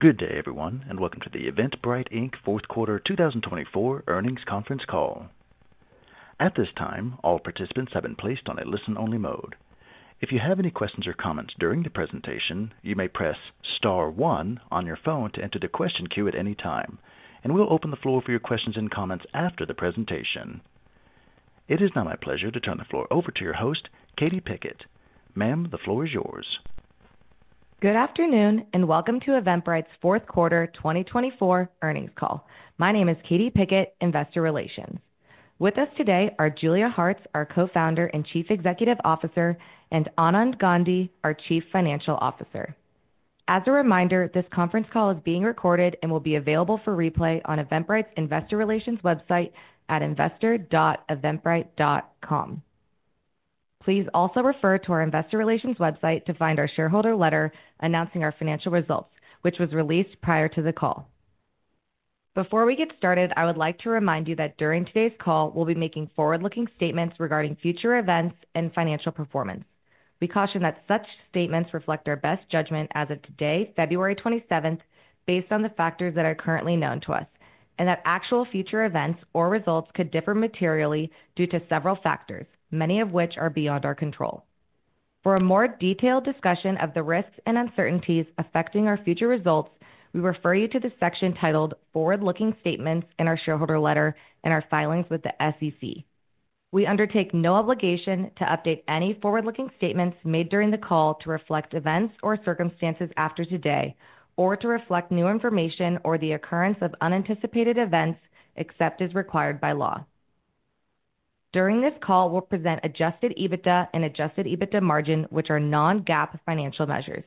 Good day, everyone, and welcome to the Eventbrite Fourth Quarter 2024 Earnings Conference Call. At this time, all participants have been placed on a listen-only mode. If you have any questions or comments during the presentation, you may press star one on your phone to enter the question queue at any time, and we will open the floor for your questions and comments after the presentation. It is now my pleasure to turn the floor over to your host, Katie Pickett. Ma'am, the floor is yours. Good afternoon and welcome to Eventbrite's Fourth Quarter 2024 Earnings Call. My name is Katie Pickett, investor relations. With us today are Julia Hartz, our Co-Founder and Chief Executive Officer, and Anand Gandhi, our Chief Financial Officer. As a reminder, this conference call is being recorded and will be available for replay on Eventbrite's investor relations website at investor.eventbrite.com. Please also refer to our investor relations website to find our shareholder letter announcing our financial results, which was released prior to the call. Before we get started, I would like to remind you that during today's call, we'll be making forward-looking statements regarding future events and financial performance. We caution that such statements reflect our best judgment as of today, February 27, based on the factors that are currently known to us, and that actual future events or results could differ materially due to several factors, many of which are beyond our control. For a more detailed discussion of the risks and uncertainties affecting our future results, we refer you to the section titled forward-looking statements in our shareholder letter and our filings with the SEC. We undertake no obligation to update any forward-looking statements made during the call to reflect events or circumstances after today, or to reflect new information or the occurrence of unanticipated events except as required by law. During this call, we'll present adjusted EBITDA and adjusted EBITDA margin, which are non-GAAP financial measures.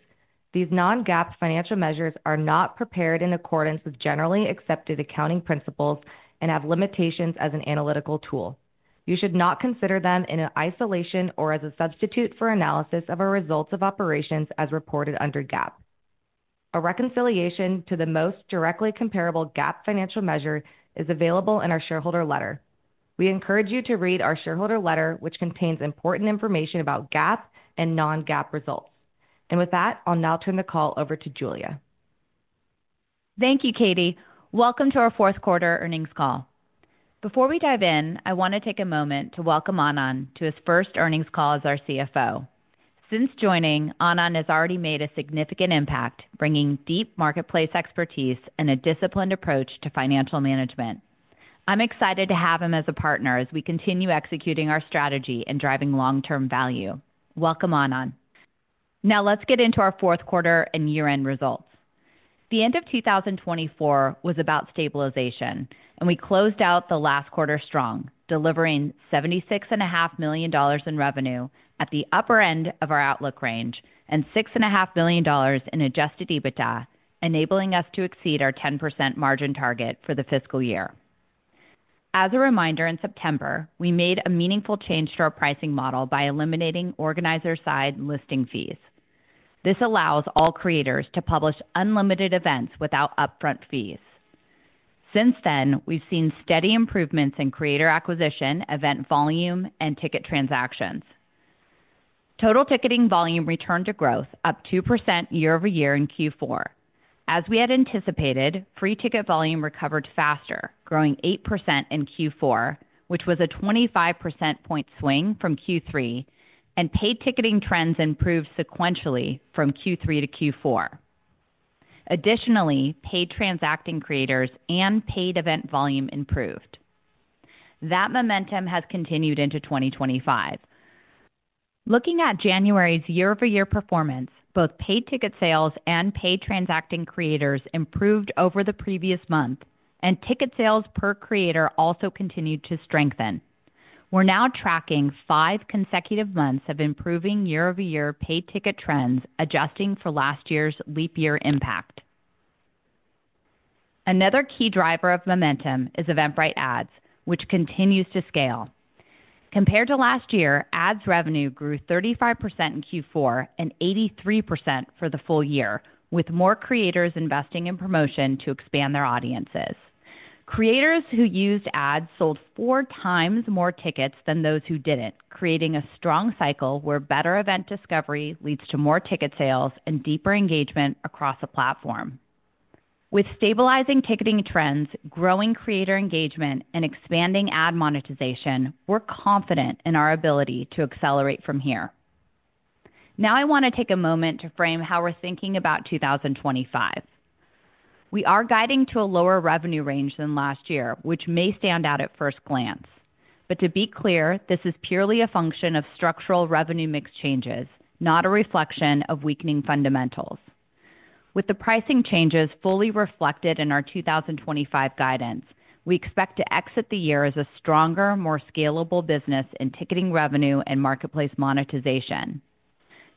These non-GAAP financial measures are not prepared in accordance with generally accepted accounting principles and have limitations as an analytical tool. You should not consider them in isolation or as a substitute for analysis of a result of operations as reported under GAAP. A reconciliation to the most directly comparable GAAP financial measure is available in our shareholder letter. We encourage you to read our shareholder letter, which contains important information about GAAP and non-GAAP results. I will now turn the call over to Julia. Thank you, Katie. Welcome to our fourth quarter earnings call. Before we dive in, I want to take a moment to welcome Anand to his first earnings call as our CFO. Since joining, Anand has already made a significant impact, bringing deep marketplace expertise and a disciplined approach to financial management. I'm excited to have him as a partner as we continue executing our strategy and driving long-term value. Welcome, Anand. Now, let's get into our fourth quarter and year-end results. The end of 2024 was about stabilization, and we closed out the last quarter strong, delivering $76.5 million in revenue at the upper end of our outlook range and $6.5 million in adjusted EBITDA, enabling us to exceed our 10% margin target for the fiscal year. As a reminder, in September, we made a meaningful change to our pricing model by eliminating organizer-side listing fees. This allows all creators to publish unlimited events without upfront fees. Since then, we've seen steady improvements in creator acquisition, event volume, and ticket transactions. Total ticketing volume returned to growth, up 2% year-over-year in Q4. As we had anticipated, free ticket volume recovered faster, growing 8% in Q4, which was a 25 percentage point swing from Q3, and paid ticketing trends improved sequentially from Q3 to Q4. Additionally, paid transacting creators and paid event volume improved. That momentum has continued into 2025. Looking at January's year-over-year performance, both paid ticket sales and paid transacting creators improved over the previous month, and ticket sales per creator also continued to strengthen. We're now tracking five consecutive months of improving year-over-year paid ticket trends, adjusting for last year's leap year impact. Another key driver of momentum is Eventbrite Ads, which continues to scale. Compared to last year, ads revenue grew 35% in Q4 and 83% for the full year, with more creators investing in promotion to expand their audiences. Creators who used ads sold four times more tickets than those who did not, creating a strong cycle where better event discovery leads to more ticket sales and deeper engagement across the platform. With stabilizing ticketing trends, growing creator engagement, and expanding ad monetization, we're confident in our ability to accelerate from here. Now, I want to take a moment to frame how we're thinking about 2025. We are guiding to a lower revenue range than last year, which may stand out at first glance. To be clear, this is purely a function of structural revenue mix changes, not a reflection of weakening fundamentals. With the pricing changes fully reflected in our 2025 guidance, we expect to exit the year as a stronger, more scalable business in ticketing revenue and marketplace monetization.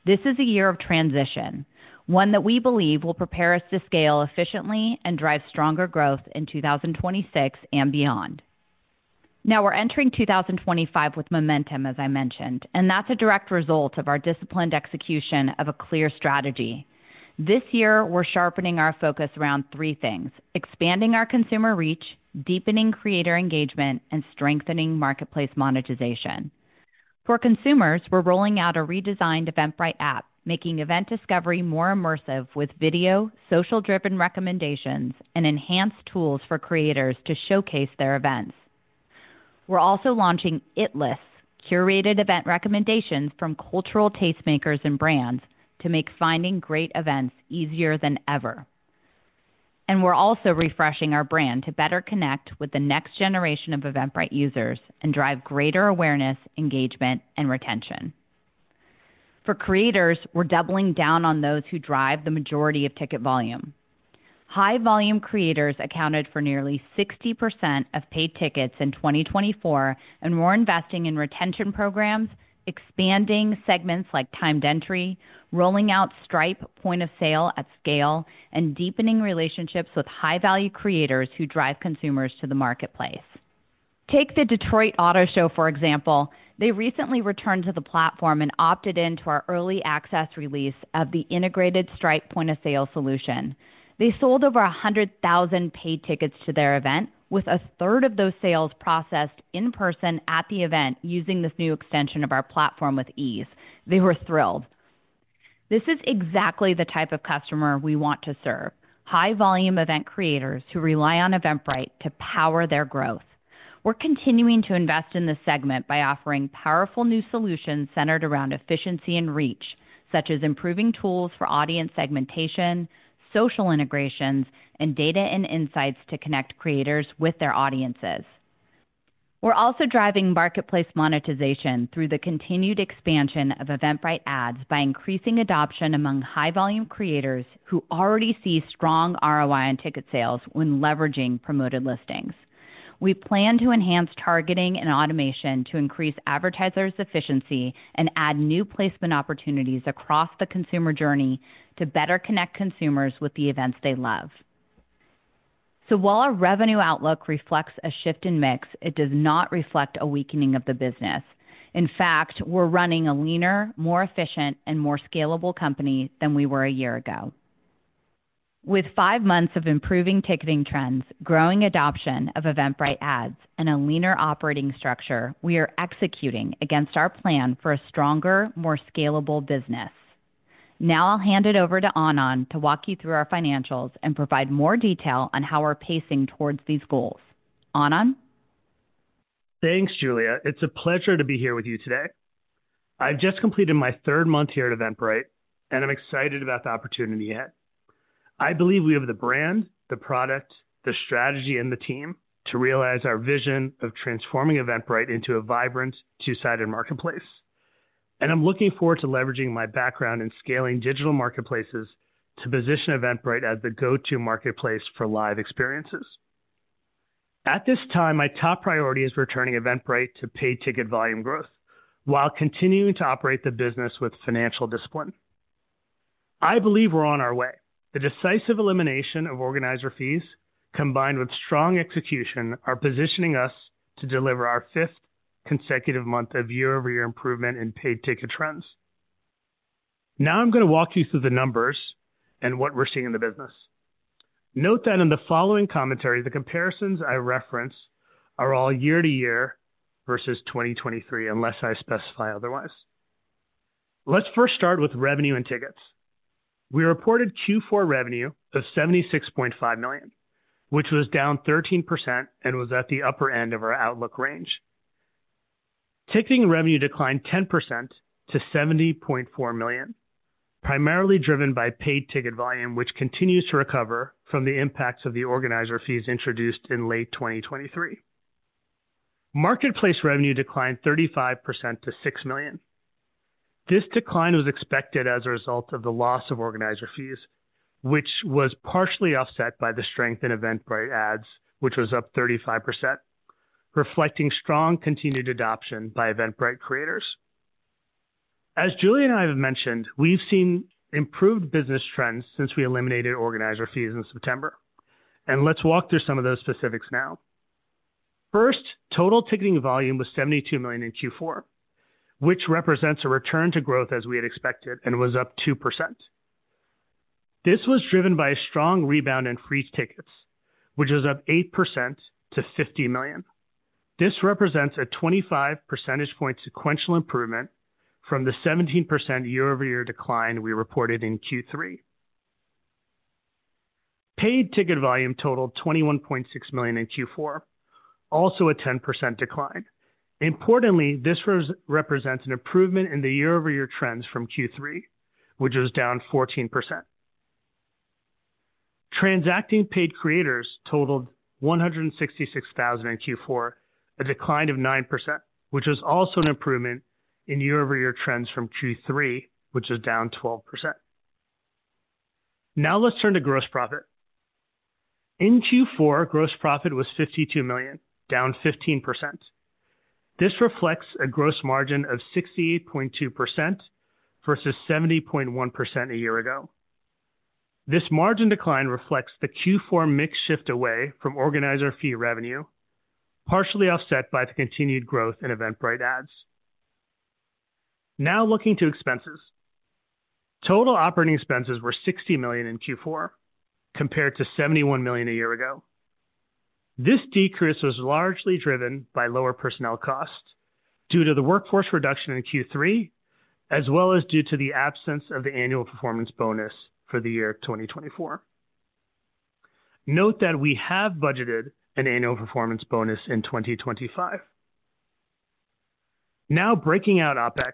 This is a year of transition, one that we believe will prepare us to scale efficiently and drive stronger growth in 2026 and beyond. Now, we're entering 2025 with momentum, as I mentioned, and that's a direct result of our disciplined execution of a clear strategy. This year, we're sharpening our focus around three things: expanding our consumer reach, deepening creator engagement, and strengthening marketplace monetization. For consumers, we're rolling out a redesigned Eventbrite app, making event discovery more immersive with video, social-driven recommendations, and enhanced tools for creators to showcase their events. We're also launching ItLists, curated event recommendations from cultural tastemakers and brands, to make finding great events easier than ever. We are also refreshing our brand to better connect with the next generation of Eventbrite users and drive greater awareness, engagement, and retention. For creators, we are doubling down on those who drive the majority of ticket volume. High-volume creators accounted for nearly 60% of paid tickets in 2024, and we are investing in retention programs, expanding segments like timed entry, rolling out Stripe point of sale at scale, and deepening relationships with high-value creators who drive consumers to the marketplace. Take the Detroit Auto Show, for example. They recently returned to the platform and opted into our early access release of the integrated Stripe point of sale solution. They sold over 100,000 paid tickets to their event, with a third of those sales processed in person at the event using this new extension of our platform with ease. They were thrilled. This is exactly the type of customer we want to serve: high-volume event creators who rely on Eventbrite to power their growth. We're continuing to invest in this segment by offering powerful new solutions centered around efficiency and reach, such as improving tools for audience segmentation, social integrations, and data and insights to connect creators with their audiences. We're also driving marketplace monetization through the continued expansion of Eventbrite Ads by increasing adoption among high-volume creators who already see strong ROI and ticket sales when leveraging promoted listings. We plan to enhance targeting and automation to increase advertisers' efficiency and add new placement opportunities across the consumer journey to better connect consumers with the events they love. While our revenue outlook reflects a shift in mix, it does not reflect a weakening of the business. In fact, we're running a leaner, more efficient, and more scalable company than we were a year ago. With five months of improving ticketing trends, growing adoption of Eventbrite Ads, and a leaner operating structure, we are executing against our plan for a stronger, more scalable business. Now, I'll hand it over to Anand to walk you through our financials and provide more detail on how we're pacing towards these goals. Anand? Thanks, Julia. It's a pleasure to be here with you today. I've just completed my third month here at Eventbrite, and I'm excited about the opportunity ahead. I believe we have the brand, the product, the strategy, and the team to realize our vision of transforming Eventbrite into a vibrant, two-sided marketplace. I'm looking forward to leveraging my background in scaling digital marketplaces to position Eventbrite as the go-to marketplace for live experiences. At this time, my top priority is returning Eventbrite to paid ticket volume growth while continuing to operate the business with financial discipline. I believe we're on our way. The decisive elimination of organizer fees, combined with strong execution, are positioning us to deliver our fifth consecutive month of year-over-year improvement in paid ticket trends. Now, I'm going to walk you through the numbers and what we're seeing in the business. Note that in the following commentary, the comparisons I reference are all year-to-year versus 2023, unless I specify otherwise. Let's first start with revenue and tickets. We reported Q4 revenue of $76.5 million, which was down 13% and was at the upper end of our outlook range. Ticketing revenue declined 10% to $70.4 million, primarily driven by paid ticket volume, which continues to recover from the impacts of the organizer fees introduced in late 2023. marketplace revenue declined 35% to $6 million. This decline was expected as a result of the loss of organizer fees, which was partially offset by the strength in Eventbrite Ads, which was up 35%, reflecting strong continued adoption by Eventbrite creators. As Julia and I have mentioned, we've seen improved business trends since we eliminated organizer fees in September. Let's walk through some of those specifics now. First, total ticketing volume was $72 million in Q4, which represents a return to growth as we had expected and was up 2%. This was driven by a strong rebound in free tickets, which was up 8% to $50 million. This represents a 25 percentage point sequential improvement from the 17% year-over-year decline we reported in Q3. Paid ticket volume totaled $21.6 million in Q4, also a 10% decline. Importantly, this represents an improvement in the year-over-year trends from Q3, which was down 14%. Transacting paid creators totaled 166,000 in Q4, a decline of 9%, which was also an improvement in year-over-year trends from Q3, which was down 12%. Now, let's turn to gross profit. In Q4, gross profit was $52 million, down 15%. This reflects a gross margin of 68.2% versus 70.1% a year ago. This margin decline reflects the Q4 mix shift away from organizer fee revenue, partially offset by the continued growth in Eventbrite Ads. Now, looking to expenses. Total operating expenses were $60 million in Q4, compared to $71 million a year ago. This decrease was largely driven by lower personnel costs due to the workforce reduction in Q3, as well as due to the absence of the annual performance bonus for the year 2024. Note that we have budgeted an annual performance bonus in 2025. Now, breaking out OpEx,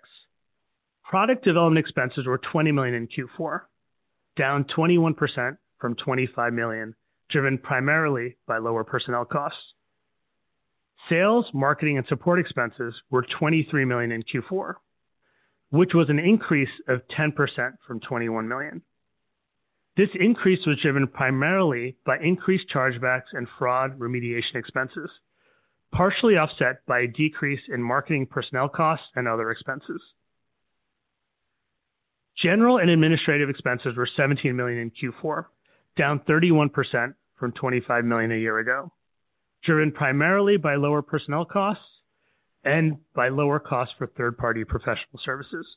product development expenses were $20 million in Q4, down 21% from $25 million, driven primarily by lower personnel costs. Sales, marketing, and support expenses were $23 million in Q4, which was an increase of 10% from $21 million. This increase was driven primarily by increased chargebacks and fraud remediation expenses, partially offset by a decrease in marketing personnel costs and other expenses. General and administrative expenses were $17 million in Q4, down 31% from $25 million a year ago, driven primarily by lower personnel costs and by lower costs for third-party professional services.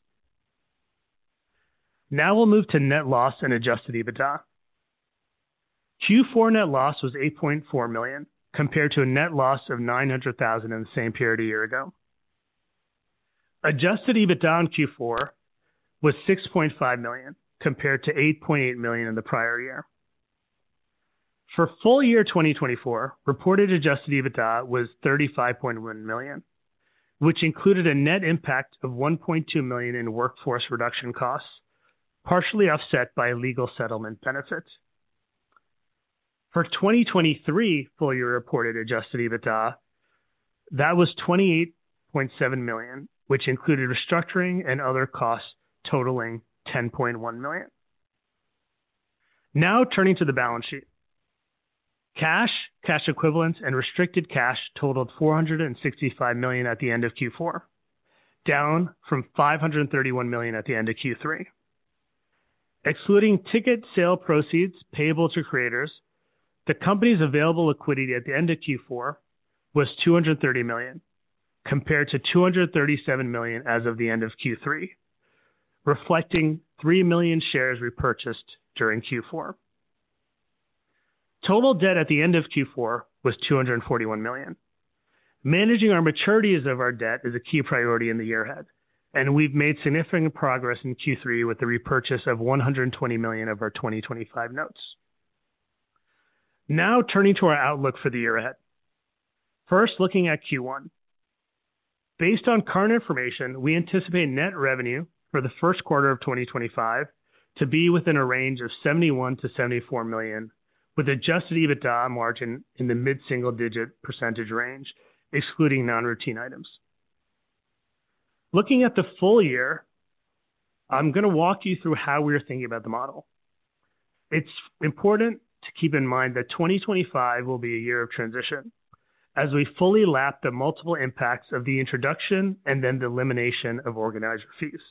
Now, we'll move to net loss and adjusted EBITDA. Q4 net loss was $8.4 million, compared to a net loss of $900,000 in the same period a year ago. Adjusted EBITDA in Q4 was $6.5 million, compared to $8.8 million in the prior year. For full year 2024, reported adjusted EBITDA was $35.1 million, which included a net impact of $1.2 million in workforce reduction costs, partially offset by legal settlement benefits. For 2023, full year reported adjusted EBITDA, that was $28.7 million, which included restructuring and other costs totaling $10.1 million. Now, turning to the balance sheet. Cash, cash equivalents, and restricted cash totaled $465 million at the end of Q4, down from $531 million at the end of Q3. Excluding ticket sale proceeds payable to creators, the company's available liquidity at the end of Q4 was $230 million, compared to $237 million as of the end of Q3, reflecting $3 million shares repurchased during Q4. Total debt at the end of Q4 was $241 million. Managing our maturities of our debt is a key priority in the year ahead, and we've made significant progress in Q3 with the repurchase of $120 million of our 2025 notes. Now, turning to our outlook for the year ahead. First, looking at Q1. Based on current information, we anticipate net revenue for the first quarter of 2025 to be within a range of $71-$74 million, with adjusted EBITDA margin in the mid-single-digit % range, excluding non-routine items. Looking at the full year, I'm going to walk you through how we are thinking about the model. It's important to keep in mind that 2025 will be a year of transition, as we fully lap the multiple impacts of the introduction and then the elimination of organizer fees.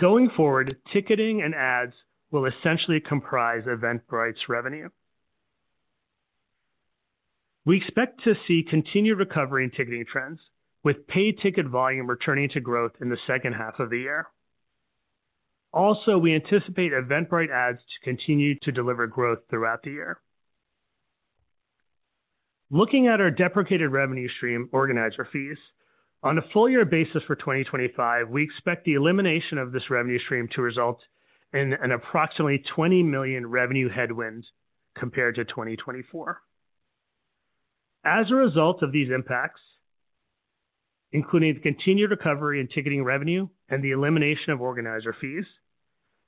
Going forward, ticketing and ads will essentially comprise Eventbrite's revenue. We expect to see continued recovery in ticketing trends, with paid ticket volume returning to growth in the second half of the year. Also, we anticipate Eventbrite Ads to continue to deliver growth throughout the year. Looking at our deprecated revenue stream, organizer fees, on a full year basis for 2025, we expect the elimination of this revenue stream to result in an approximately $20 million revenue headwind compared to 2024. As a result of these impacts, including the continued recovery in ticketing revenue and the elimination of organizer fees,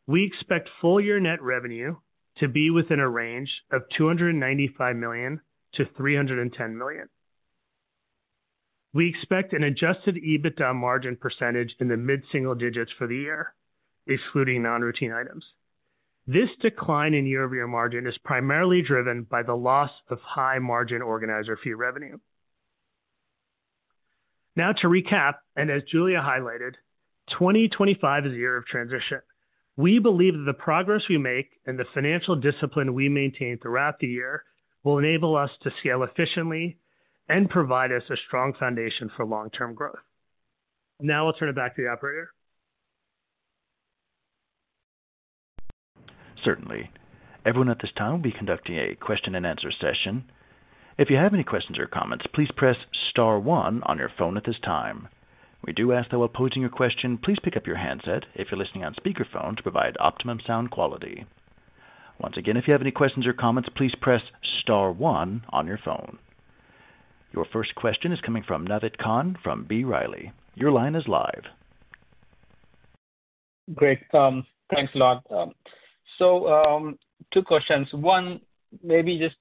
we expect full year net revenue to be within a range of $295 million-$310 million. We expect an adjusted EBITDA margin percentage in the mid-single digits for the year, excluding non-routine items. This decline in year-over-year margin is primarily driven by the loss of high-margin organizer fee revenue. Now, to recap, and as Julia highlighted, 2025 is a year of transition. We believe that the progress we make and the financial discipline we maintain throughout the year will enable us to scale efficiently and provide us a strong foundation for long-term growth. Now, I'll turn it back to the operator. Certainly. Everyone at this time will be conducting a question and answer session. If you have any questions or comments, please press star one on your phone at this time. We do ask that while posing your question, please pick up your handset if you're listening on speakerphone to provide optimum sound quality. Once again, if you have any questions or comments, please press star one on your phone. Your first question is coming from Naved Khan from B. Riley. Your line is live. Great. Thanks a lot. Two questions. One, maybe just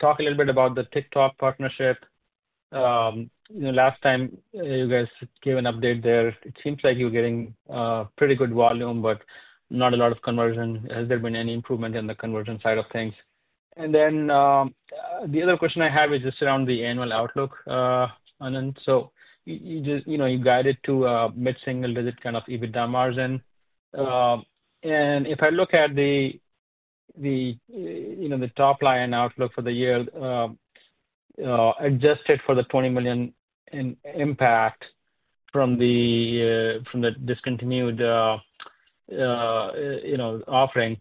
talk a little bit about the TikTok partnership. Last time, you guys gave an update there. It seems like you're getting pretty good volume, but not a lot of conversion. Has there been any improvement in the conversion side of things? The other question I have is just around the annual outlook, Anand. You guided to mid-single digit kind of EBITDA margin. If I look at the top line outlook for the year, adjusted for the $20 million impact from the discontinued offering,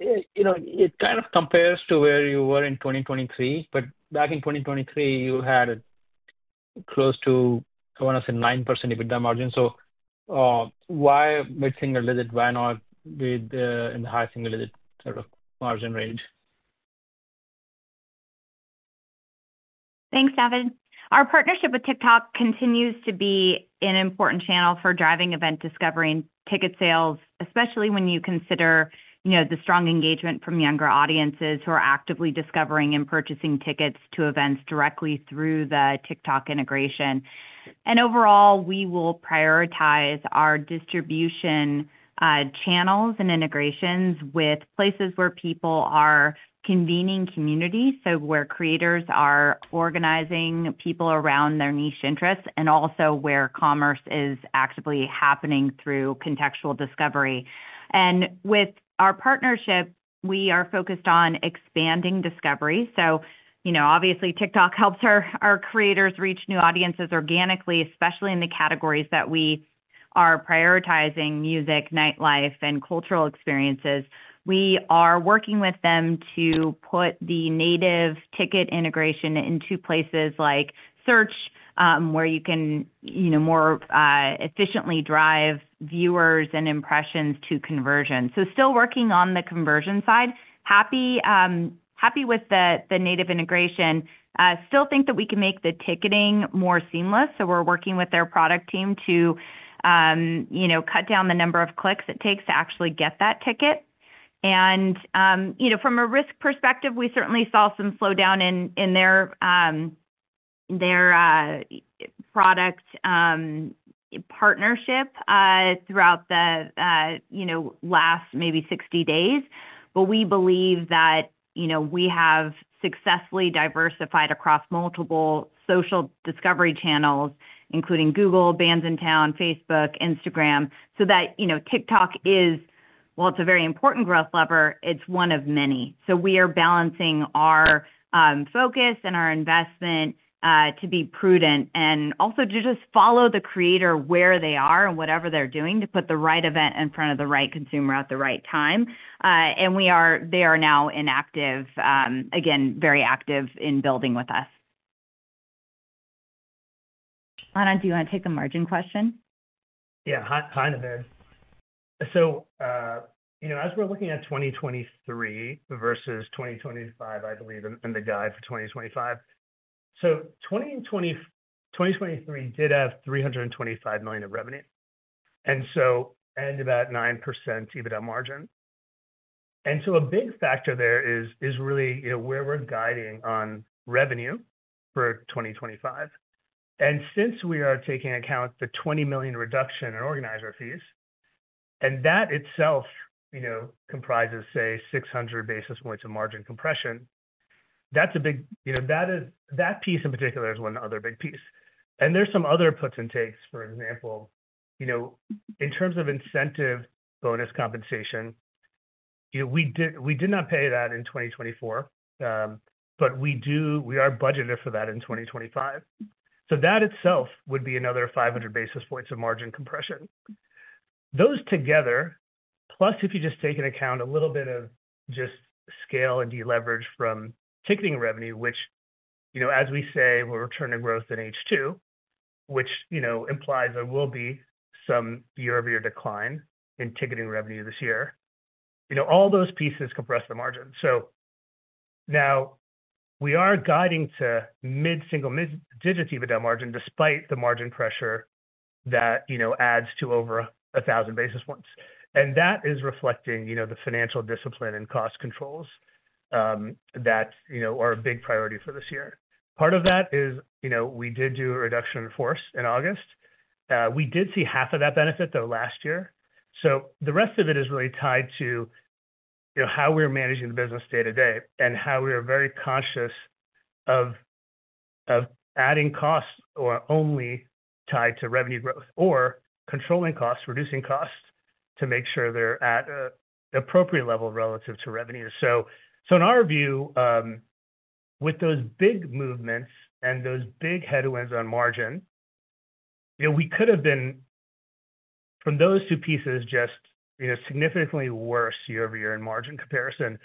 it kind of compares to where you were in 2023. Back in 2023, you had close to, I want to say, 9% EBITDA margin. Why mid-single digit? Why not in the high single-digit sort of margin range? Thanks, Naved. Our partnership with TikTok continues to be an important channel for driving event discovery and ticket sales, especially when you consider the strong engagement from younger audiences who are actively discovering and purchasing tickets to events directly through the TikTok integration. Overall, we will prioritize our distribution channels and integrations with places where people are convening communities, so where creators are organizing people around their niche interests, and also where commerce is actively happening through contextual discovery. With our partnership, we are focused on expanding discovery. Obviously, TikTok helps our creators reach new audiences organically, especially in the categories that we are prioritizing: music, nightlife, and cultural experiences. We are working with them to put the native ticket integration into places like search, where you can more efficiently drive viewers and impressions to conversion. Still working on the conversion side. Happy with the native integration. Still think that we can make the ticketing more seamless. We are working with their product team to cut down the number of clicks it takes to actually get that ticket. From a risk perspective, we certainly saw some slowdown in their product partnership throughout the last maybe 60 days. We believe that we have successfully diversified across multiple social discovery channels, including Google, Bands in Town, Facebook, Instagram, so that TikTok is, while it's a very important growth lever, it's one of many. We are balancing our focus and our investment to be prudent and also to just follow the creator where they are and whatever they're doing to put the right event in front of the right consumer at the right time. They are now inactive, again, very active in building with us. Anand, do you want to take the margin question? Yeah. Hi there. As we're looking at 2023 versus 2025, I believe, and the guide for 2025, 2023 did have $325 million of revenue. And about 9% EBITDA margin. A big factor there is really where we're guiding on revenue for 2025. Since we are taking account the $20 million reduction in organizer fees, and that itself comprises, say, 600 basis points of margin compression, that's a big piece in particular. One other big piece, there are some other puts and takes, for example, in terms of incentive bonus compensation. We did not pay that in 2024, but we are budgeted for that in 2025. That itself would be another 500 basis points of margin compression. Those together, plus if you just take into account a little bit of just scale and deleverage from ticketing revenue, which, as we say, we're returning growth in H2, which implies there will be some year-over-year decline in ticketing revenue this year, all those pieces compress the margin. Now we are guiding to mid-single digit EBITDA margin despite the margin pressure that adds to over 1,000 basis points. That is reflecting the financial discipline and cost controls that are a big priority for this year. Part of that is we did do a reduction in force in August. We did see half of that benefit, though, last year. The rest of it is really tied to how we're managing the business day-to-day and how we are very conscious of adding costs or only tied to revenue growth or controlling costs, reducing costs to make sure they're at an appropriate level relative to revenue. In our view, with those big movements and those big headwinds on margin, we could have been, from those two pieces, just significantly worse year-over-year in margin comparison.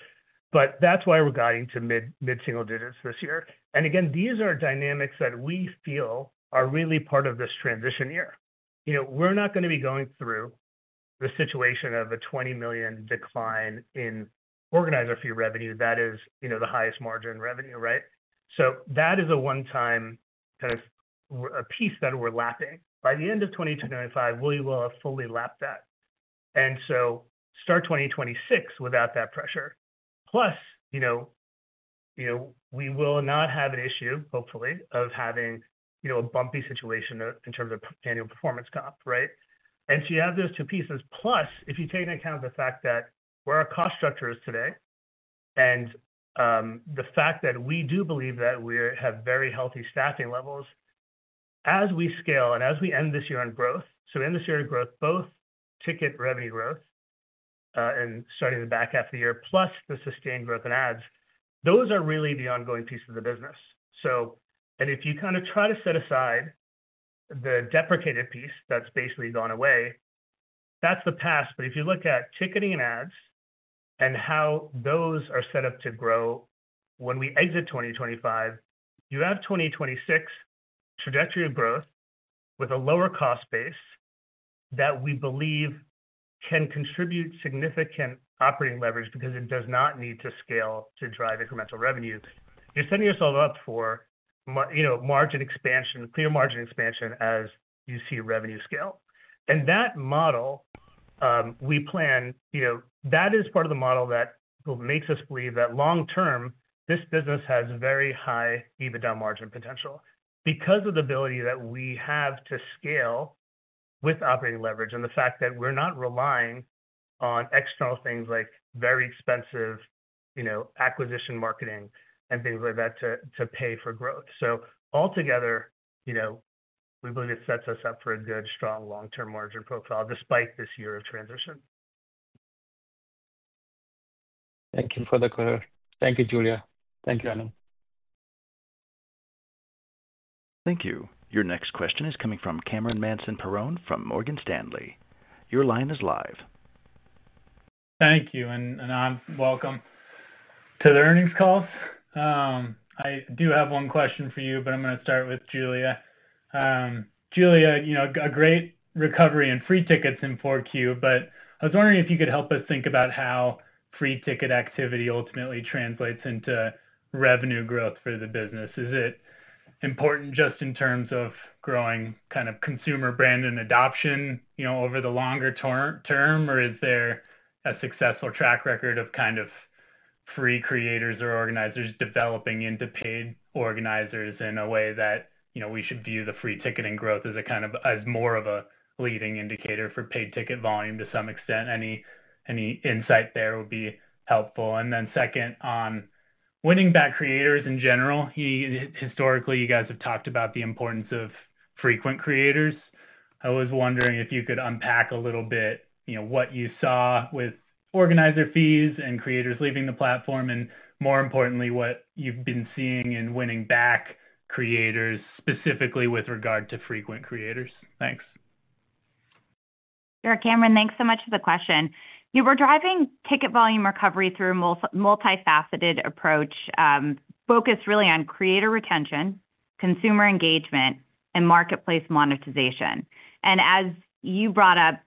That's why we're guiding to mid-single digits this year. Again, these are dynamics that we feel are really part of this transition year. We're not going to be going through the situation of a $20 million decline in organizer fee revenue that is the highest margin revenue, right? That is a one-time kind of piece that we're lapping. By the end of 2025, we will have fully lapped that. To start 2026 without that pressure. Plus, we will not have an issue, hopefully, of having a bumpy situation in terms of annual performance comp, right? You have those two pieces. Plus, if you take into account the fact that where our cost structure is today and the fact that we do believe that we have very healthy staffing levels, as we scale and as we end this year in growth, so end this year in growth, both ticket revenue growth and starting to back half the year, plus the sustained growth in ads, those are really the ongoing piece of the business. If you kind of try to set aside the deprecated piece that's basically gone away, that's the past. If you look at ticketing and ads and how those are set up to grow when we exit 2025, you have 2026 trajectory of growth with a lower cost base that we believe can contribute significant operating leverage because it does not need to scale to drive incremental revenue. You are setting yourself up for margin expansion, clear margin expansion as you see revenue scale. That model we plan, that is part of the model that makes us believe that long-term, this business has very high EBITDA margin potential because of the ability that we have to scale with operating leverage and the fact that we are not relying on external things like very expensive acquisition marketing and things like that to pay for growth. Altogether, we believe it sets us up for a good, strong long-term margin profile despite this year of transition. Thank you for the clear. Thank you, Julia. Thank you, Anand. Thank you. Your next question is coming from Cameron Mansson-Perrone from Morgan Stanley. Your line is live. Thank you. Anand, welcome to the earnings calls. I do have one question for you, but I'm going to start with Julia. Julia, a great recovery in free tickets in 4Q, but I was wondering if you could help us think about how free ticket activity ultimately translates into revenue growth for the business. Is it important just in terms of growing kind of consumer brand and adoption over the longer term, or is there a successful track record of kind of free creators or organizers developing into paid organizers in a way that we should view the free ticketing growth as kind of more of a leading indicator for paid ticket volume to some extent? Any insight there would be helpful. Second, on winning back creators in general, historically, you guys have talked about the importance of frequent creators. I was wondering if you could unpack a little bit what you saw with organizer fees and creators leaving the platform, and more importantly, what you've been seeing in winning back creators, specifically with regard to frequent creators. Thanks. Sure. Cameron, thanks so much for the question. We're driving ticket volume recovery through a multifaceted approach focused really on creator retention, consumer engagement, and marketplace monetization. As you brought up,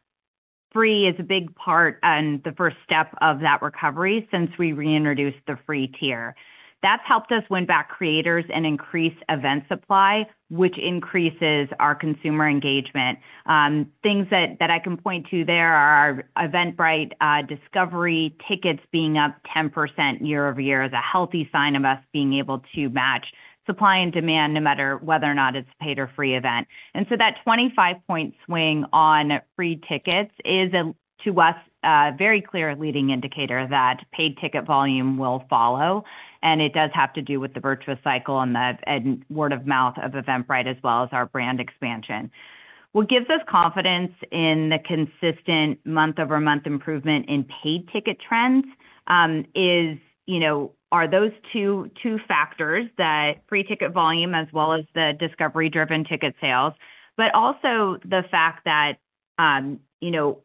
free is a big part and the first step of that recovery since we reintroduced the free tier. That's helped us win back creators and increase event supply, which increases our consumer engagement. Things that I can point to there are Eventbrite discovery tickets being up 10% year-over-year is a healthy sign of us being able to match supply and demand no matter whether or not it's a paid or free event. That 25-point swing on free tickets is, to us, a very clear leading indicator that paid ticket volume will follow. It does have to do with the virtuous cycle and the word of mouth of Eventbrite as well as our brand expansion. What gives us confidence in the consistent month-over-month improvement in paid ticket trends are those two factors: free ticket volume as well as the discovery-driven ticket sales, but also the fact that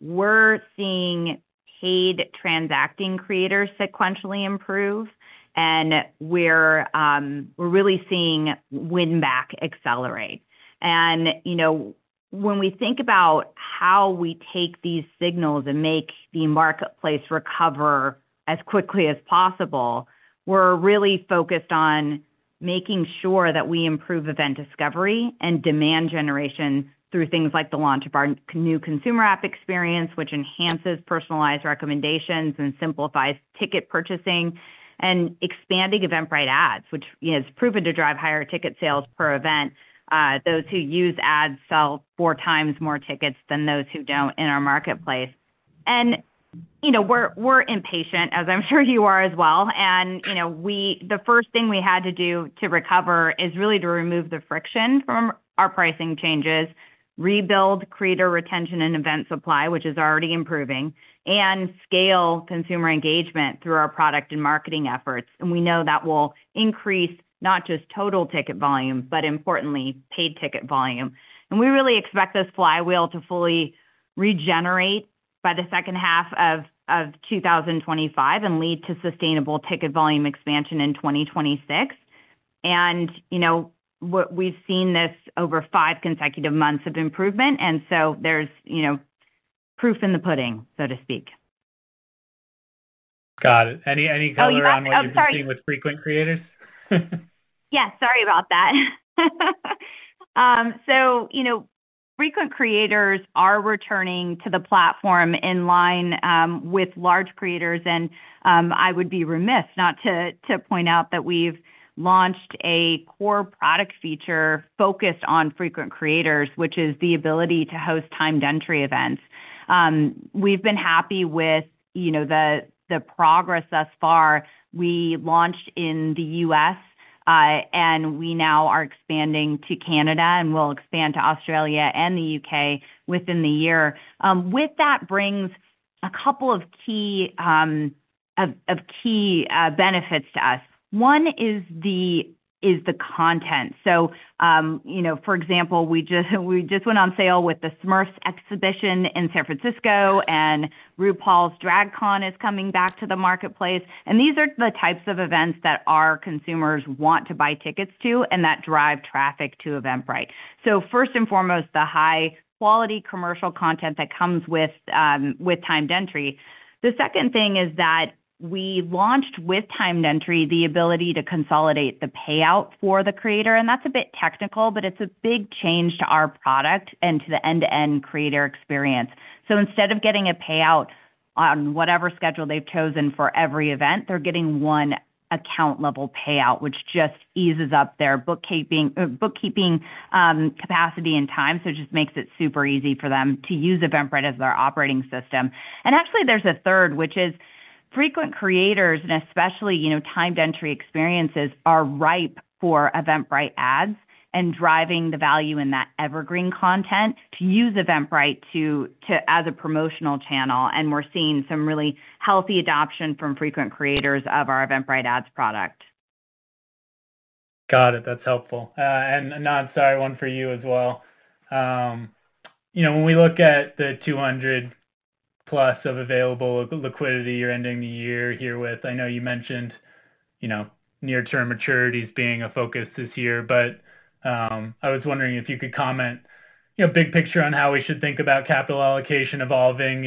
we're seeing paid transacting creators sequentially improve, and we're really seeing win-back accelerate. When we think about how we take these signals and make the marketplace recover as quickly as possible, we're really focused on making sure that we improve event discovery and demand generation through things like the launch of our new consumer app experience, which enhances personalized recommendations and simplifies ticket purchasing, and expanding Eventbrite Ads, which has proven to drive higher ticket sales per event. Those who use ads sell four times more tickets than those who don't in our marketplace. We're impatient, as I'm sure you are as well. The first thing we had to do to recover is really to remove the friction from our pricing changes, rebuild creator retention and event supply, which is already improving, and scale consumer engagement through our product and marketing efforts. We know that will increase not just total ticket volume, but importantly, paid ticket volume. We really expect this flywheel to fully regenerate by the second half of 2025 and lead to sustainable ticket volume expansion in 2026. We have seen this over five consecutive months of improvement. There is proof in the pudding, so to speak. Got it. Any comment on what you're seeing with frequent creators? Yeah. Sorry about that. Frequent creators are returning to the platform in line with large creators. I would be remiss not to point out that we've launched a core product feature focused on frequent creators, which is the ability to host timed entry events. We've been happy with the progress thus far. We launched in the U.S., and we now are expanding to Canada and will expand to Australia and the U.K. within the year. With that brings a couple of key benefits to us. One is the content. For example, we just went on sale with the Smurfs exhibition in San Francisco, and RuPaul's Drag Con is coming back to the marketplace. These are the types of events that our consumers want to buy tickets to and that drive traffic to Eventbrite. First and foremost, the high-quality commercial content that comes with timed entry. The second thing is that we launched with timed entry the ability to consolidate the payout for the creator. That's a bit technical, but it's a big change to our product and to the end-to-end creator experience. Instead of getting a payout on whatever schedule they've chosen for every event, they're getting one account-level payout, which just eases up their bookkeeping capacity and time. It just makes it super easy for them to use Eventbrite as their operating system. Actually, there's a third, which is frequent creators, and especially timed entry experiences, are ripe for Eventbrite Ads and driving the value in that evergreen content to use Eventbrite as a promotional channel. We're seeing some really healthy adoption from frequent creators of our Eventbrite Ads product. Got it. That's helpful. Anand, sorry, one for you as well. When we look at the $200 million-plus of available liquidity you're ending the year here with, I know you mentioned near-term maturities being a focus this year, but I was wondering if you could comment big picture on how we should think about capital allocation evolving.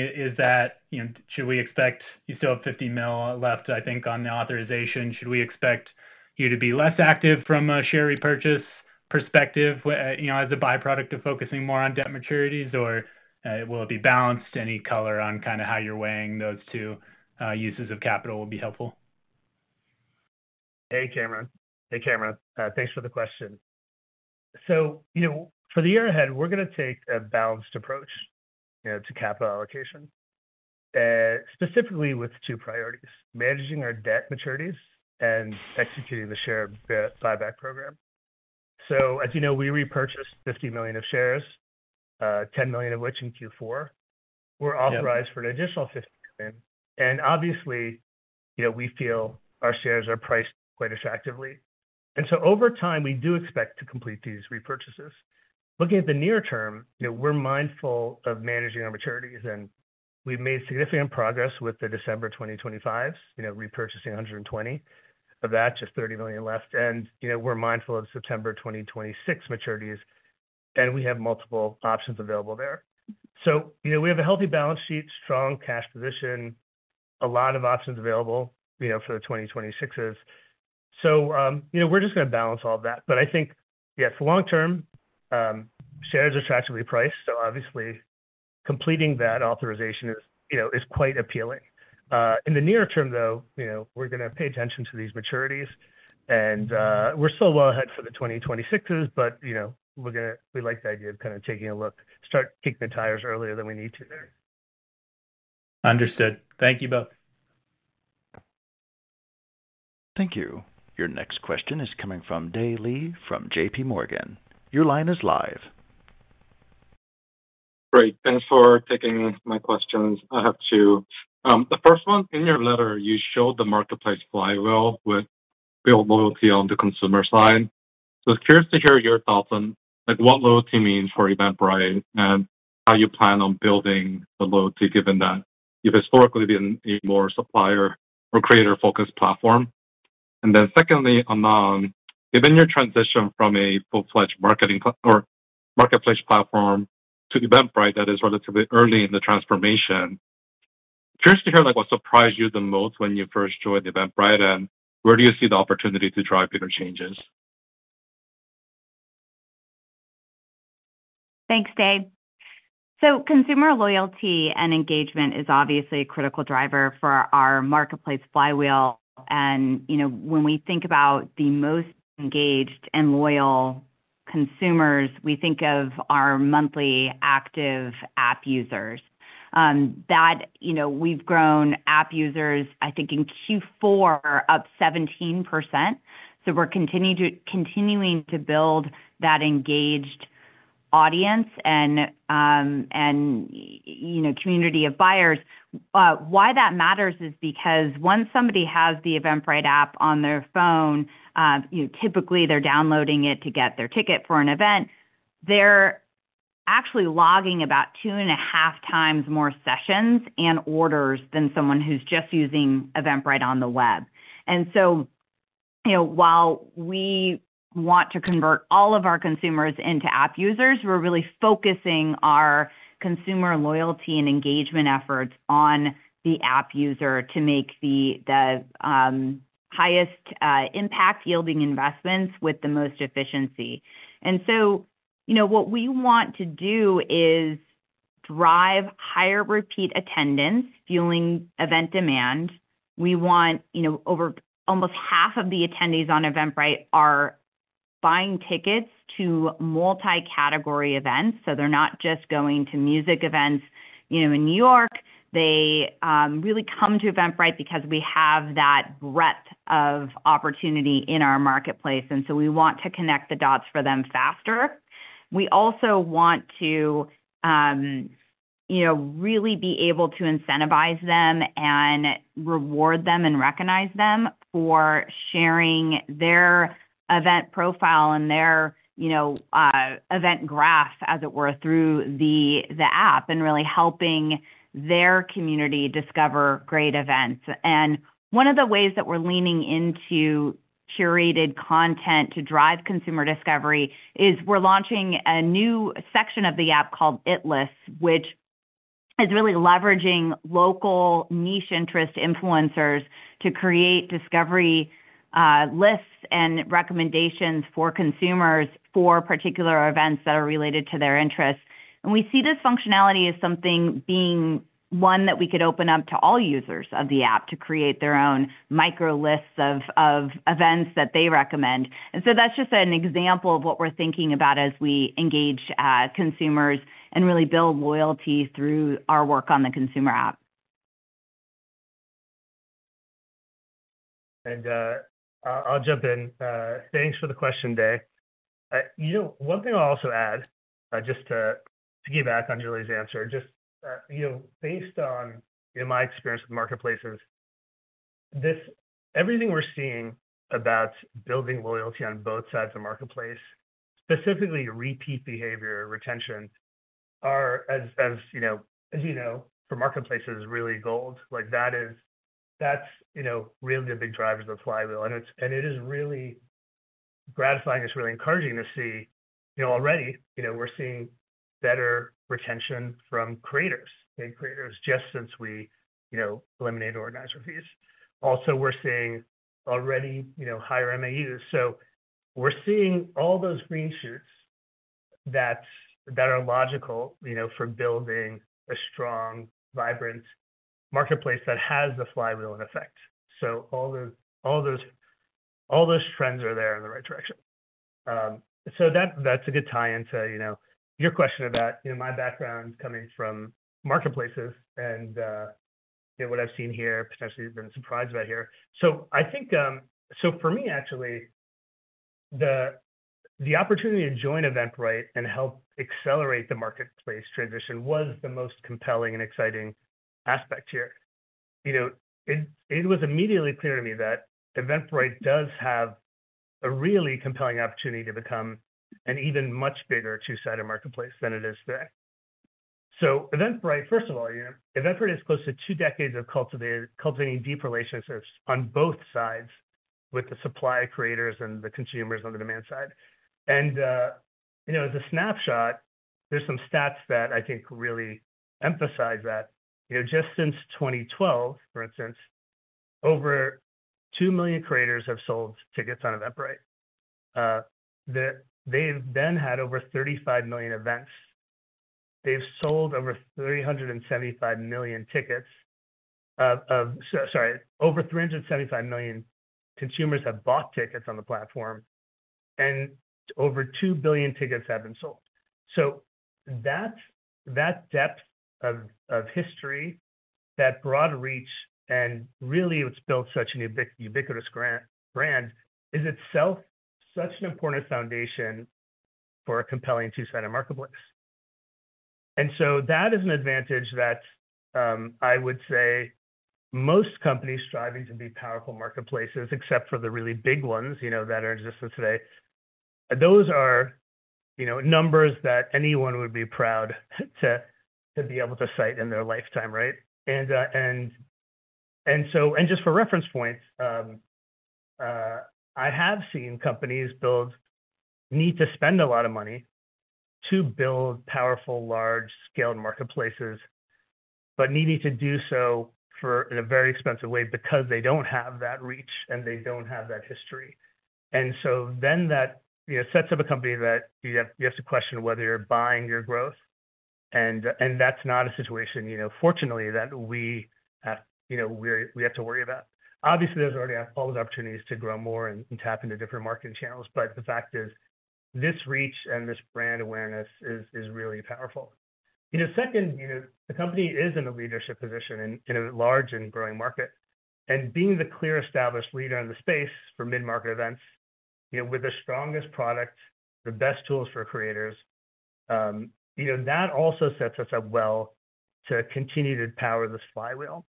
Should we expect you still have $50 million left, I think, on the authorization? Should we expect you to be less active from a share repurchase perspective as a byproduct of focusing more on debt maturities, or will it be balanced? Any color on kind of how you're weighing those two uses of capital would be helpful. Hey, Cameron. Thanks for the question. For the year ahead, we're going to take a balanced approach to capital allocation, specifically with two priorities: managing our debt maturities and executing the share buyback program. As you know, we repurchased $50 million of shares, $10 million of which in Q4. We're authorized for an additional $50 million. Obviously, we feel our shares are priced quite attractively. Over time, we do expect to complete these repurchases. Looking at the near term, we're mindful of managing our maturities, and we've made significant progress with the December 2025s, repurchasing $120 million of that, just $30 million left. We're mindful of September 2026 maturities, and we have multiple options available there. We have a healthy balance sheet, strong cash position, a lot of options available for the 2026s. We're just going to balance all of that. I think, yeah, for long-term, shares are attractively priced. Obviously, completing that authorization is quite appealing. In the near term, though, we're going to pay attention to these maturities. We're still well ahead for the 2026s, but we like the idea of kind of taking a look, start kicking the tires earlier than we need to there. Understood. Thank you both. Thank you. Your next question is coming from Dae Lee from JPMorgan. Your line is live. Great. Thanks for taking my questions. I have two. The first one, in your letter, you showed the marketplace flywheel with real loyalty on the consumer side. I was curious to hear your thoughts on what loyalty means for Eventbrite and how you plan on building the loyalty given that you've historically been a more supplier or creator-focused platform. Secondly, Anand, given your transition from a full-fledged marketplace platform to Eventbrite that is relatively early in the transformation, curious to hear what surprised you the most when you first joined Eventbrite, and where do you see the opportunity to drive bigger changes? Thanks, Dae. Consumer loyalty and engagement is obviously a critical driver for our marketplace flywheel. When we think about the most engaged and loyal consumers, we think of our monthly active app users. We've grown app users, I think, in Q4 up 17%. We're continuing to build that engaged audience and community of buyers. Why that matters is because once somebody has the Eventbrite app on their phone, typically they're downloading it to get their ticket for an event, they're actually logging about two and a half times more sessions and orders than someone who's just using Eventbrite on the web. While we want to convert all of our consumers into app users, we're really focusing our consumer loyalty and engagement efforts on the app user to make the highest impact yielding investments with the most efficiency. What we want to do is drive higher repeat attendance, fueling event demand. We want almost half of the attendees on Eventbrite are buying tickets to multi-category events. They are not just going to music events in New York. They really come to Eventbrite because we have that breadth of opportunity in our marketplace. We want to connect the dots for them faster. We also want to really be able to incentivize them and reward them and recognize them for sharing their event profile and their event graph, as it were, through the app and really helping their community discover great events. One of the ways that we're leaning into curated content to drive consumer discovery is we're launching a new section of the app called ItLists, which is really leveraging local niche interest influencers to create discovery lists and recommendations for consumers for particular events that are related to their interests. We see this functionality as something being one that we could open up to all users of the app to create their own micro-lists of events that they recommend. That's just an example of what we're thinking about as we engage consumers and really build loyalty through our work on the consumer app. I'll jump in. Thanks for the question, Dae. One thing I'll also add just to piggyback on Julia's answer, just based on my experience with marketplaces, everything we're seeing about building loyalty on both sides of the marketplace, specifically repeat behavior retention, as you know, for marketplaces is really gold. That's really the big drivers of the flywheel. It is really gratifying, it's really encouraging to see already we're seeing better retention from creators, paid creators, just since we eliminated organizer fees. Also, we're seeing already higher MAUs. We're seeing all those green shoots that are logical for building a strong, vibrant marketplace that has the flywheel in effect. All those trends are there in the right direction. That's a good tie into your question about my background coming from marketplaces and what I've seen here, potentially been surprised about here. For me, actually, the opportunity to join Eventbrite and help accelerate the marketplace transition was the most compelling and exciting aspect here. It was immediately clear to me that Eventbrite does have a really compelling opportunity to become an even much bigger two-sided marketplace than it is today. Eventbrite, first of all, is close to two decades of cultivating deep relationships on both sides with the supply creators and the consumers on the demand side. As a snapshot, there are some stats that I think really emphasize that. Just since 2012, for instance, over two million creators have sold tickets on Eventbrite. They have then had over 35 million events. They have sold over 375 million tickets. Sorry, over 375 million consumers have bought tickets on the platform, and over two billion tickets have been sold. That depth of history, that broad reach, and really what's built such a ubiquitous brand is itself such an important foundation for a compelling two-sided marketplace. That is an advantage that I would say most companies striving to be powerful marketplaces, except for the really big ones that are in existence today, those are numbers that anyone would be proud to be able to cite in their lifetime, right? Just for reference points, I have seen companies need to spend a lot of money to build powerful, large-scale marketplaces, but needing to do so in a very expensive way because they don't have that reach and they don't have that history. That sets up a company that you have to question whether you're buying your growth. That's not a situation, fortunately, that we have to worry about. Obviously, there's already all those opportunities to grow more and tap into different marketing channels, but the fact is this reach and this brand awareness is really powerful. Second, the company is in a leadership position in a large and growing market. Being the clear established leader in the space for mid-market events with the strongest product, the best tools for creators, that also sets us up well to continue to power this flywheel.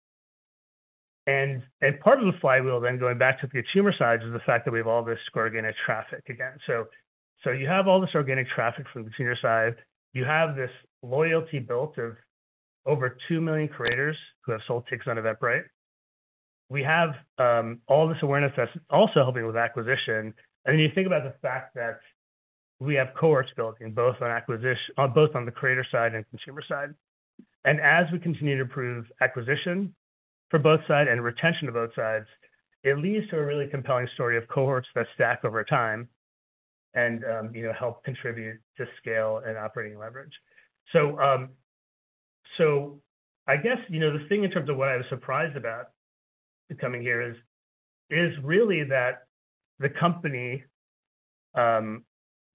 Part of the flywheel, going back to the consumer side, is the fact that we have all this organic traffic again. You have all this organic traffic from the consumer side. You have this loyalty built of over two million creators who have sold tickets on Eventbrite. We have all this awareness that's also helping with acquisition. You think about the fact that we have cohorts built in both on the creator side and consumer side. As we continue to prove acquisition for both sides and retention of both sides, it leads to a really compelling story of cohorts that stack over time and help contribute to scale and operating leverage. I guess the thing in terms of what I was surprised about coming here is really that the company,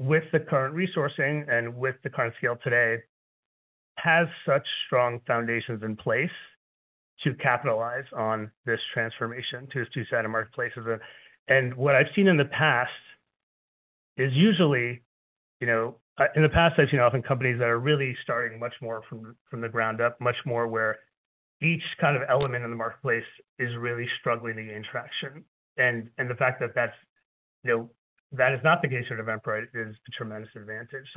with the current resourcing and with the current scale today, has such strong foundations in place to capitalize on this transformation to its two-sided marketplace. What I've seen in the past is usually in the past, I've seen often companies that are really starting much more from the ground up, much more where each kind of element in the marketplace is really struggling to gain traction. The fact that that is not the case at Eventbrite is a tremendous advantage.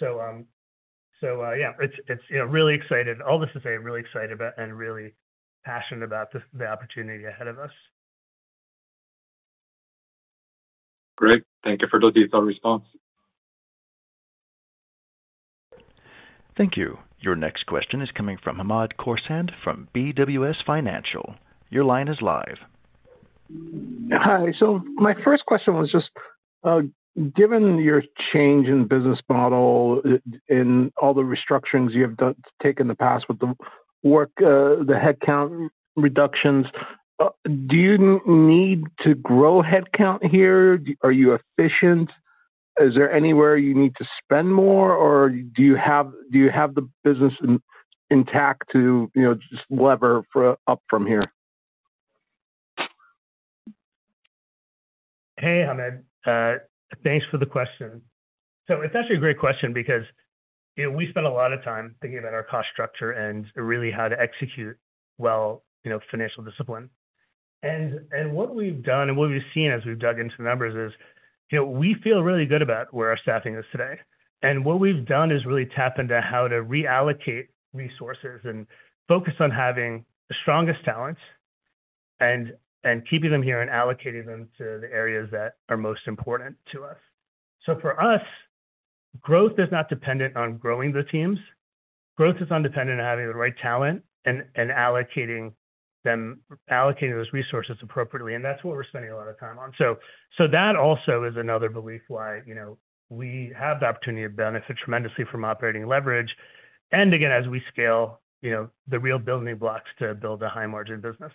Yeah, it's really exciting. All this to say, really excited and really passionate about the opportunity ahead of us. Great. Thank you for the detailed response. Thank you. Your next question is coming from Hamed Khorsand from BWS Financial. Your line is live. Hi. My first question was just, given your change in business model and all the restructurings you have taken in the past with the headcount reductions, do you need to grow headcount here? Are you efficient? Is there anywhere you need to spend more, or do you have the business intact to just lever up from here? Hey, Hamad. Thanks for the question. It's actually a great question because we spent a lot of time thinking about our cost structure and really how to execute well financial discipline. What we've done and what we've seen as we've dug into the numbers is we feel really good about where our staffing is today. What we've done is really tapped into how to reallocate resources and focus on having the strongest talents and keeping them here and allocating them to the areas that are most important to us. For us, growth is not dependent on growing the teams. Growth is undependent on having the right talent and allocating those resources appropriately. That's what we're spending a lot of time on. That also is another belief why we have the opportunity to benefit tremendously from operating leverage. Again, as we scale, the real building blocks to build a high-margin business.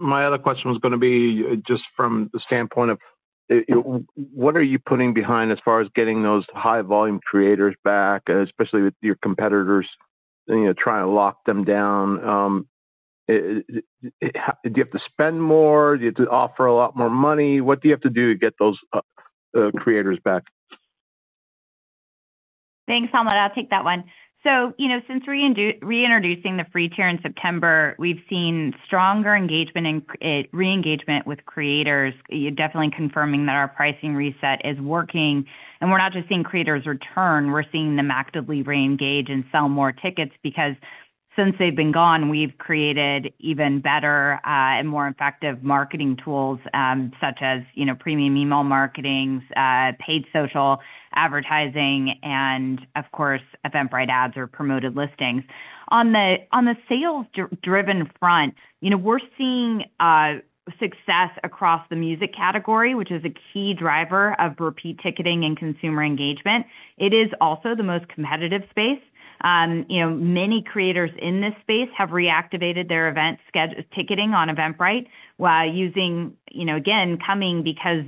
My other question was going to be just from the standpoint of what are you putting behind as far as getting those high-volume creators back, especially with your competitors trying to lock them down? Do you have to spend more? Do you have to offer a lot more money? What do you have to do to get those creators back? Thanks, Hamad. I'll take that one. Since reintroducing the free tier in September, we've seen stronger reengagement with creators, definitely confirming that our pricing reset is working. We're not just seeing creators return. We're seeing them actively reengage and sell more tickets because since they've been gone, we've created even better and more effective marketing tools such as premium email marketing, paid social advertising, and of course, Eventbrite Ads or promoted listings. On the sales-driven front, we're seeing success across the music category, which is a key driver of repeat ticketing and consumer engagement. It is also the most competitive space. Many creators in this space have reactivated their event ticketing on Eventbrite while using, again, coming because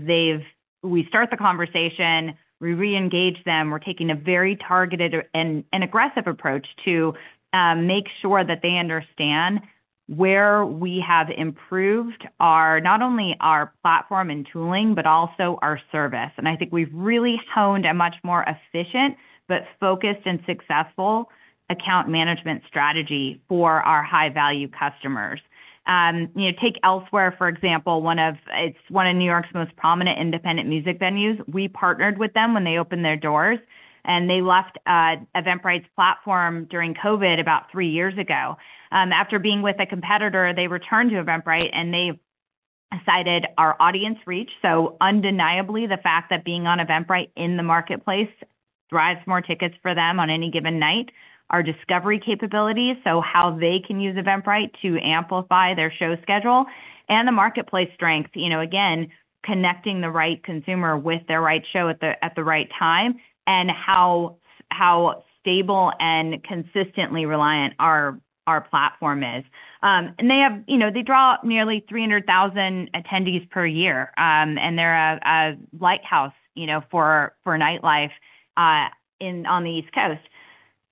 we start the conversation, we reengage them. We're taking a very targeted and aggressive approach to make sure that they understand where we have improved not only our platform and tooling, but also our service. I think we've really honed a much more efficient, but focused and successful account management strategy for our high-value customers. Take Elsewhere, for example. It's one of New York's most prominent independent music venues. We partnered with them when they opened their doors, and they left Eventbrite's platform during COVID about three years ago. After being with a competitor, they returned to Eventbrite, and they cited our audience reach. Undeniably, the fact that being on Eventbrite in the marketplace drives more tickets for them on any given night, our discovery capabilities, how they can use Eventbrite to amplify their show schedule, and the marketplace strength, again, connecting the right consumer with their right show at the right time, and how stable and consistently reliant our platform is. They draw nearly 300,000 attendees per year, and they're a lighthouse for nightlife on the East Coast.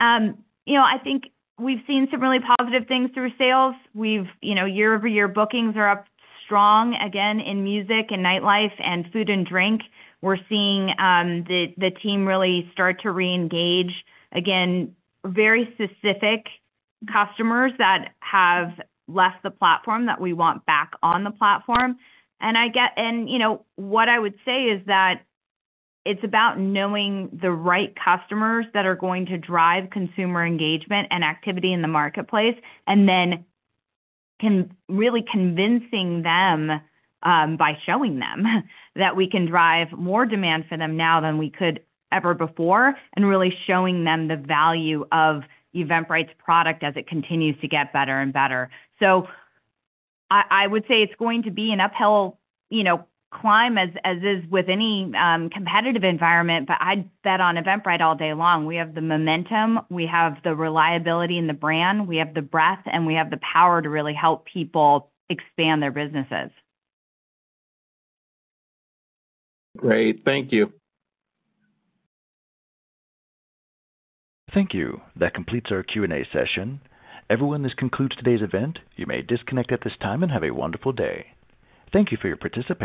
I think we've seen some really positive things through sales. Year-over-year bookings are up strong again in music and nightlife and food and drink. We're seeing the team really start to reengage again, very specific customers that have left the platform that we want back on the platform. What I would say is that it's about knowing the right customers that are going to drive consumer engagement and activity in the marketplace, and then really convincing them by showing them that we can drive more demand for them now than we could ever before, and really showing them the value of Eventbrite's product as it continues to get better and better. I would say it's going to be an uphill climb, as is with any competitive environment, but I'd bet on Eventbrite all day long. We have the momentum. We have the reliability in the brand. We have the breadth, and we have the power to really help people expand their businesses. Great. Thank you. Thank you. That completes our Q&A session. Everyone, this concludes today's event. You may disconnect at this time and have a wonderful day. Thank you for your participation.